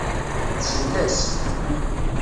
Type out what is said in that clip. Tsell-as.